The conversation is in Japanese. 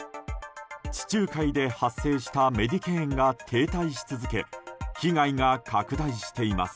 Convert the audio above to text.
地中海で発生したメディケーンが停滞し続け被害が拡大しています。